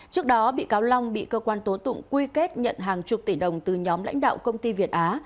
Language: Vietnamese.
trước đó bị cáo long bị cơ quan tố tụng quy kết nhận hàng chục tỷ đồng từ nhóm lãnh đạo công ty việt á